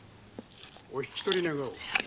⁉お引き取り願おう。